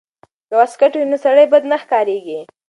که واسکټ وي نو سړی نه بد ښکاریږي.